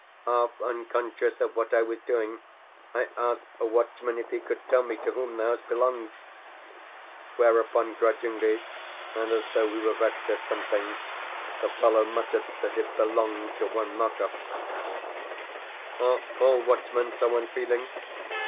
Half unconscious of what I was doing, I asked a watchman if he could tell me to whom the house belonged; whereupon grudgingly, and as though he were vexed at something, the fellow muttered that it belonged to one Markov. Are ALL watchmen so unfeeling?